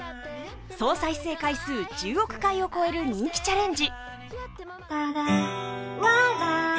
総再生回数１０億回を超える人気チャレンジ。